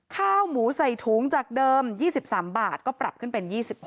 ข้าวหมูใส่ถุงจากเดิม๒๓บาทก็ปรับขึ้นเป็น๒๖